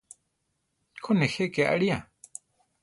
Ko, nejé ké aria!